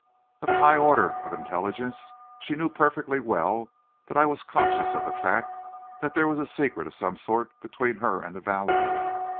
Of a high order of intelligence, she knew perfectly well that I was conscious of the fact that there was a secret of some sort between her and the valet.